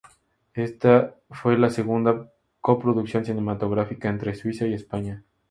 Este fue la segunda coproducción cinematográfica entre Suiza y España.